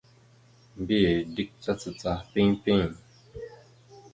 Mbiyez dik tacacaha piŋ piŋ.